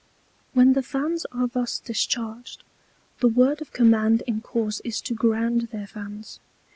When the Fans are thus discharged, the Word of Command in course is to ground their Fans.